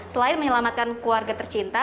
selain menyelamatkan keluarga tercinta